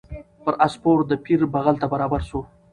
پر آس سپور د پیر بغل ته برابر سو